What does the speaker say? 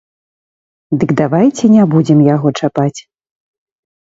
Дык давайце не будзем яго чапаць.